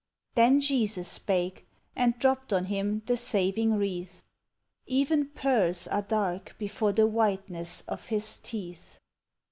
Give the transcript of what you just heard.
Then Jesus spake, and dropped on him the saving wreath: "Even pearls are dark before the whiteness of his teeth."